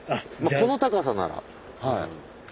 この高さならはい。